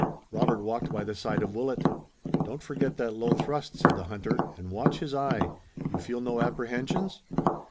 Robert walked by the side of Willet. "Don't forget that low thrust," said the hunter, "and watch his eye. You feel no apprehensions?"